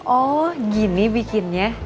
oh gini bikinnya